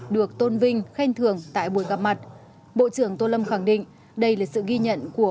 được tôn vinh khen thưởng tại buổi gặp mặt bộ trưởng tô lâm khẳng định đây là sự ghi nhận của